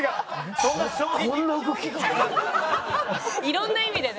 色んな意味でね。